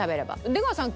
出川さん